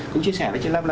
cũng chia sẻ với chị lâm là